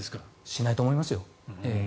しないと思いますよ。